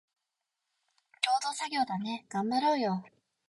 共同作業だね、がんばろーよ